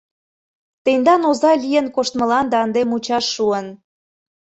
Тендан оза лийын коштмыланда ынде мучаш шуын.